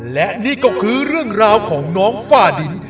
และนี่ก็คือเรื่องราวของน้องฝ้าดิน